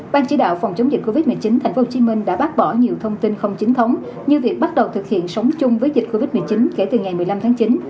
ban chỉ đạo phòng chống dịch covid một mươi chín tp hcm đã bác bỏ nhiều thông tin không chính thống như việc bắt đầu thực hiện sống chung với dịch covid một mươi chín kể từ ngày một mươi năm tháng chín